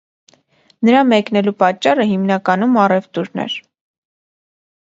Նրա մեկնելու պատճառը հիմնականում առևտուրն էր։